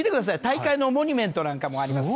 大会のモニュメントなんかもあります。